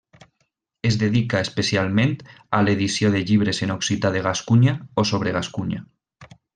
Es dedica especialment a l’edició de llibres en occità de Gascunya o sobre Gascunya.